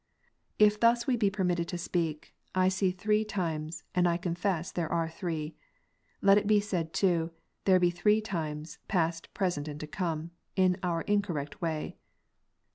If thus we be permitted to speak, I see three times, and I confess there are three. Let it be said too, " there be three times, past, present, and to come:" in our incorrect way.